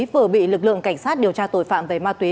vừa bị lực lượng cảnh sát điều tra tội phạm về ma túy